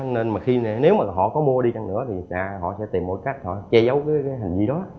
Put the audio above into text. nên nếu mà họ có mua đi chăng nữa thì họ sẽ tìm mỗi cách họ che giấu cái hình gì đó